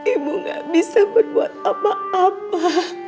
ibu gak bisa berbuat apa apa